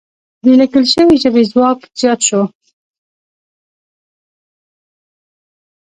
د لیکل شوې ژبې ځواک زیات شو.